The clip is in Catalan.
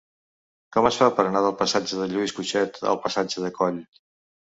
Com es fa per anar del passatge de Lluís Cutchet al passatge de Coll?